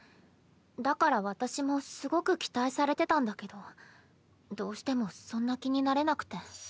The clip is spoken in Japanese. だから私もすごく期待されてたんだけどどうしてもそんな気になれなくて。